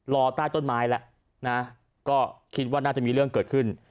รอใต้ต้นไม้แล้วนะก็คิดว่าน่าจะมีเรื่องเกิดขึ้น